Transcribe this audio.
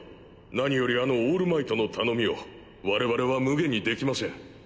なによりあのオールマイト頼みを我々は無碍に出来ません。